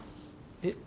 えっ？